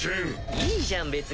いいじゃん別に。